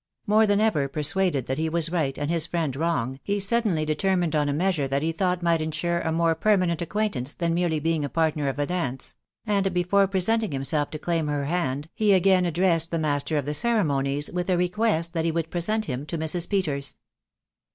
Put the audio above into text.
More than ever persuaded that he was right, and his friend wrong, he suddenly determined on a measure that he thought might ensure a more permanent acquaintance than merely being a partner of a dance; and before presenting himself to claim her hand, he again addressed the master of the ceremonies with a request that he would present him to Mrs. Peters.